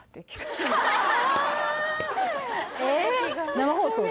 生放送で？